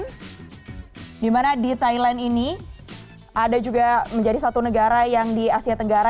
dan di mana di thailand ini ada juga menjadi satu negara yang di asia tenggara